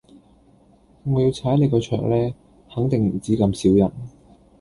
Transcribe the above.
我要踩你個場呢，肯定唔止咁少人